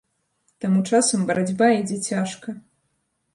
Таму часам барацьба ідзе цяжка.